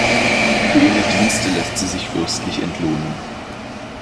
Für ihre Dienste lässt sie sich fürstlich entlohnen.